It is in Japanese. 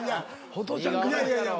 ホトちゃんから。